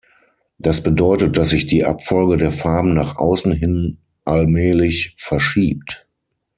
Das bedeutet, dass sich die Abfolge der Farben nach außen hin allmählich verschiebt.